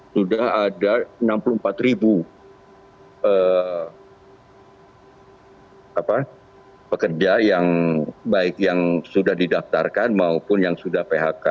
sudah ada enam puluh empat pekerja yang baik yang sudah didaftarkan maupun yang sudah phk